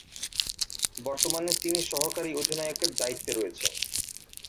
বর্তমানে তিনি সহঃ অধিনায়কের দায়িত্বে রয়েছেন।